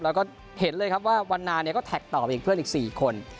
แล้วก็เห็นเลยครับว่าวันนาเนี่ยก็แท็กต่อไปอีกเพื่อนอีก๔คน